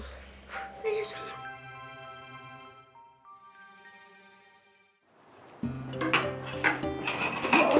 uff udah susah